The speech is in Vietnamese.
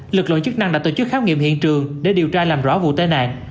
lực lượng chức năng đã tổ chức khám nghiệm hiện trường để điều tra làm rõ vụ tai nạn